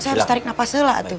saya harus tarik nafas sela tuh